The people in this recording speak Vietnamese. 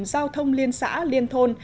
giao thông liên xã liên thôn